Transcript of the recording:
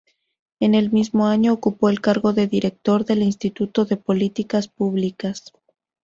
En el mismo año ocupó el cargo de director del Instituto de Políticas Públicas.